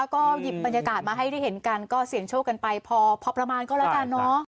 ก็หยิบบรรยากาศมาให้ได้เห็นกันก็เสี่ยงโชคกันไปพอประมาณก็แล้วกันเนอะ